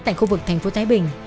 tại khu vực thành phố thái bình